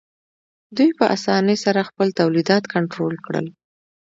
دوی په اسانۍ سره خپل تولیدات کنټرول کړل